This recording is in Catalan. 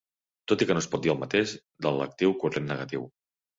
Tot i que no es pot dir el mateix de l'actiu corrent negatiu.